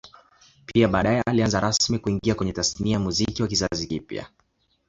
Pia baadae alianza rasmi kuingia kwenye Tasnia ya Muziki wa kizazi kipya